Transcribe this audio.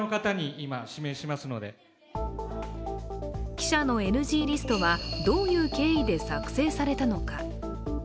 記者のＮＧリストはどういう経緯で作成されたのか。